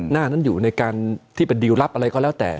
หน้านั้นอยู่ในการที่เป็นดิวลลับอะไรก็แล้วแต่